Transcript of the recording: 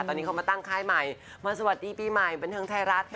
ตอนนี้เขามาตั้งค่ายใหม่มาสวัสดีปีใหม่บันเทิงไทยรัฐค่ะ